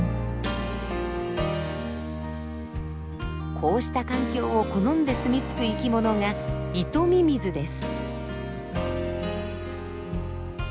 こうした環境を好んですみ着く生きものがイトミミズです。